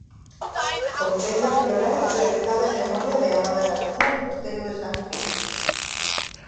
Ofrenda floral realizada en memoria de Amada García no castelo de San Filipe.